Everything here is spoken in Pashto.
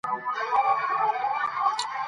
انار د افغانستان د ښاري پراختیا یو لوی سبب کېږي.